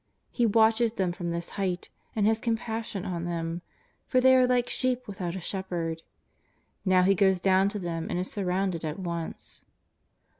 He watches them from this height and has compassion on them, for they are like sheep without a shepherd. Now He goes down to them and is surrounded at once.